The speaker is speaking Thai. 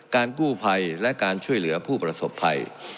กู้ภัยและการช่วยเหลือผู้ประสบภัย